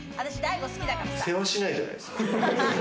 せわしないじゃないですか。